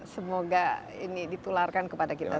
semoga ini ditularkan kepada kita